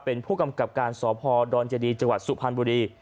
เป็นผู้กำกับการสพดรเจดีจสุพรรณบุรี